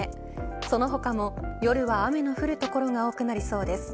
その他も夜は雨の降る所が多くなりそうです。